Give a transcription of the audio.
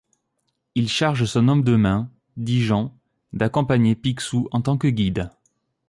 Il charge son homme de main, Dijon, d'accompagner Picsou en tant que guide.